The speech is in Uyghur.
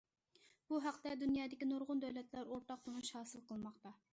بۇ ھەقتە دۇنيادىكى نۇرغۇن دۆلەتلەر ئورتاق تونۇش ھاسىل قىلماقتا.